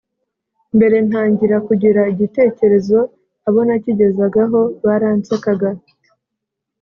Mbere ntangira kugira igitekerezo abo nakigezagaho baransekaga